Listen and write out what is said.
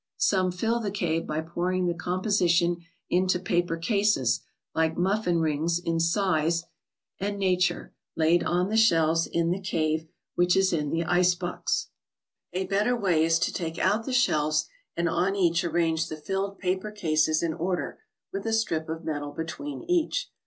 Some fill the cave by pouring the com¬ position into paper cases, like muffin rings in size and nat ■Btecuftg <0lacc& THE BOOK OF ICES. 56 ure, laid on the shelves in the cave, which is in the ice¬ box. A better way is to take out the shelves, and on each arrange the filled paper cases in order, with a strip of metal between each.